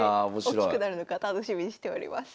大きくなるのか楽しみにしております。